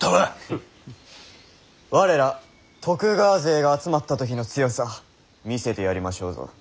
我ら徳川勢が集まった時の強さ見せてやりましょうぞ。